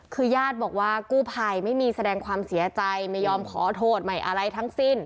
คือญาติบอกว่ากู้ภัยไม่มีแสดงความเสียใจไม่ยอมขอโทษใหม่อะไรทั้งสิ้น